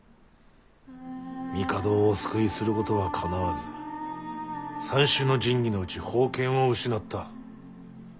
帝をお救いすることはかなわず三種の神器のうち宝剣を失った。